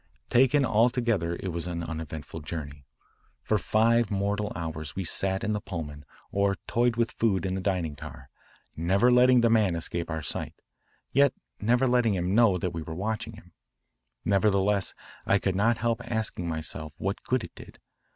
Taken altogether it was an uneventful journey. For five mortal hours we sat in the Pullman or toyed with food in the dining car, never letting the man escape our sight, yet never letting him know that we were watching him. Nevertheless I could not help asking myself what good it did.